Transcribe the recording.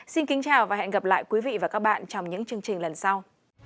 xin kính chào và hẹn gặp lại quý vị và các bạn trong những chương trình lần sau